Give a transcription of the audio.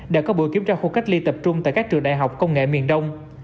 đã có buổi kiểm tra khu cách ly tập trung tại các trường đại học công nghệ miền đông